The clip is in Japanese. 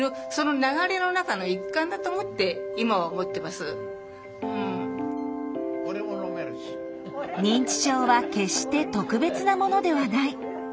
すると次第に「認知症は決して特別なものではない」。